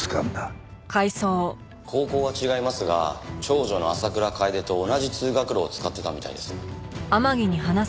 高校は違いますが長女の浅倉楓と同じ通学路を使ってたみたいです。